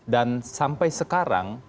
dan sampai sekarang